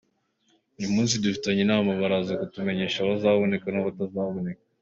uyu munsi dufitanye inama baraza kutumenyesha abazaboneka nabatazaboneka.